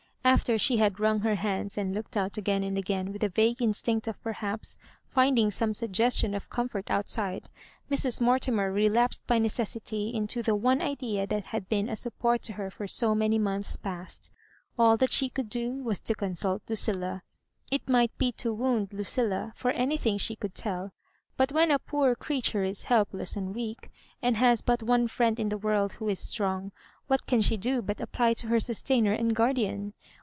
After she had wrung her hands and looked out again and again with a vague instinct of perhaps finding some suggestion of comfort outside, Mrs. Mortimer relapsed by necessity into the one idea that had been a support to her for so many months past. All that she could do was to consult Lucilla — it might be to wound Lucilla, ^r anything she could tell ; but when a poor creature is helpless and weak, and has but one friend in the world who is strong, what can she do but apply to her sustainer and guardian?